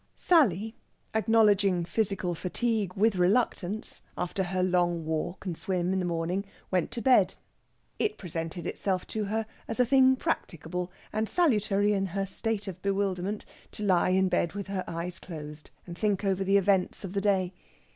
Sally, acknowledging physical fatigue with reluctance, after her long walk and swim in the morning, went to bed. It presented itself to her as a thing practicable, and salutary in her state of bewilderment, to lie in bed with her eyes closed, and think over the events of the day.